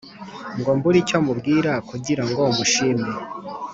Ngo mbure icyo mubwira Kugira ngo mushime